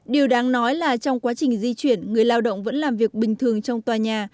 điều đáng nói là trong quá trình di chuyển người lao động vẫn làm việc bình thường trong tòa nhà